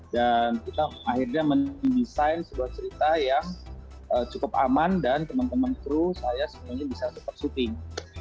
kita akhirnya mendesain sebuah cerita yang cukup aman dan teman teman kru saya sebenarnya bisa tetap syuting